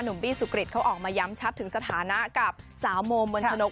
บี้สุกริตเขาออกมาย้ำชัดถึงสถานะกับสาวโมมนชนก